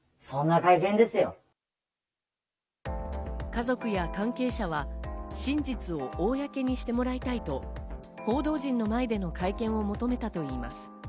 家族や関係者は真実を公にしてもらいたいと、報道陣の前での会見を求めたといいます。